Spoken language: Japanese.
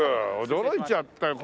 驚いちゃったよ。